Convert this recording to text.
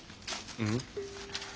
うん？